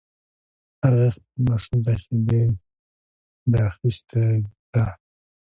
هغې خپل ماشوم ته شیدي ده اخیستی ده